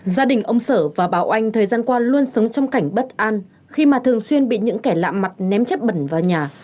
gia đình ông sở và báo oanh thời gian qua luôn sống trong cảnh bất an khi mà thường xuyên bị những kẻ lạm mặt ném chất bẩn vào nhà